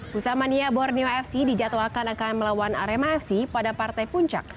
pusamania borneo fc dijadwalkan akan melawan arema fc pada partai puncak